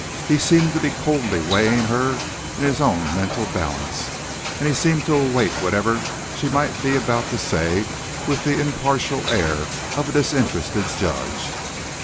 He seemed to be coldly weighing her in his own mental balance, and he seemed to await whatever she might be about to say with the impartial air of a disinterested judge.